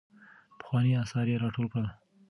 پخواني اثار يې راټول کړل.